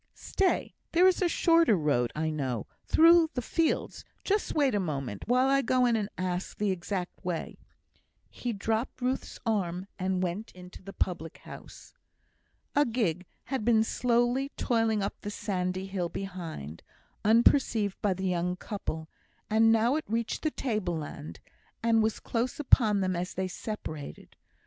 Stay, there is a shorter road, I know, through the fields; just wait a moment, while I go in and ask the exact way." He dropped Ruth's arm, and went into the public house. A gig had been slowly toiling up the sandy hill behind, unperceived by the young couple, and now it reached the table land, and was close upon them as they separated.